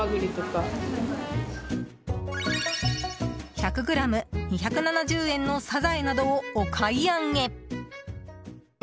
１００ｇ２７０円のサザエなどをお買い上げ！